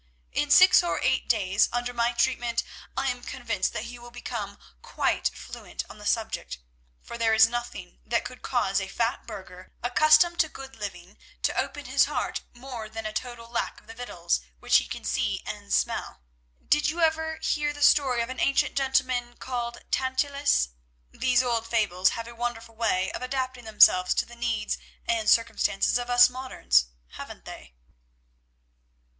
In six or eight days under my treatment I am convinced that he will become quite fluent on the subject, for there is nothing that should cause a fat burgher, accustomed to good living, to open his heart more than a total lack of the victuals which he can see and smell. Did you ever hear the story of an ancient gentleman called Tantalus? These old fables have a wonderful way of adapting themselves to the needs and circumstances of us moderns, haven't they?"